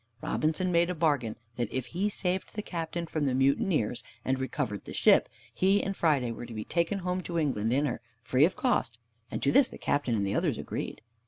Robinson made a bargain that if he saved the Captain from the mutineers, and recovered the ship, he and Friday were to be taken home to England in her, free of cost; and to this the Captain and the others agreed.